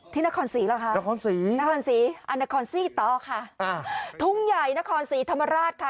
ที่นครสีแล้วคะนครสีนครสีอาณครสีต่อค่ะทุ่งใหญ่นครสีธรรมราชค่ะ